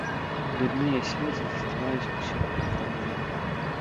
Дурныя слёзы засцілаюць усё перад табою.